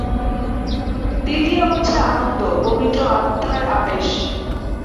তৃতীয় হচ্ছে আনন্দ, পবিত্র আত্মার আবেশ।